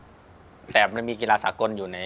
ที่ผ่านมาที่มันถูกบอกว่าเป็นกีฬาพื้นบ้านเนี่ย